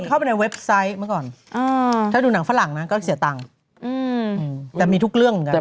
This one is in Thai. เข้าไปในเว็บไซต์เมื่อก่อนถ้าดูหนังฝรั่งนะก็เสียตังค์แต่มีทุกเรื่องเหมือนกัน